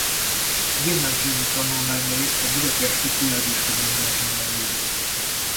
Gimnáziumi tanulmányait a Budapesti Piarista Gimnáziumban végezte.